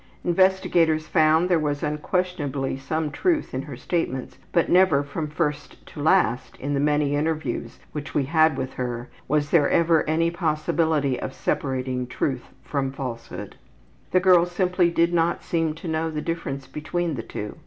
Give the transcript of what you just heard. Investigators found there was unquestionably some truth in her statements, but never from first to last in the many interviews which we had with her was there ever any possibility of separating truth from falsehood. The girl simply did not seem to know the difference between the two.